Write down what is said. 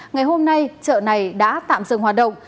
ngày hôm nay chợ này đã tạm dừng hoạt động